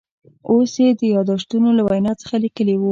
اوس یې د یاداشتونو له وینا څخه لیکلي و.